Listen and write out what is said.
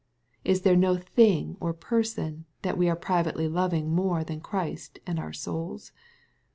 Is there no thing or person that we are privately loving more than Christ and our souls